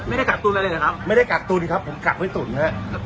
ไม่ได้กากตุนอะไรเลยหรือครับไม่ได้กากตุนครับผมกากไว้ตุนนะครับ